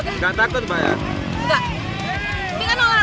tidak takut banyak